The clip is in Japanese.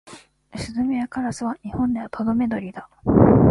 スズメやカラスは日本では留鳥だ。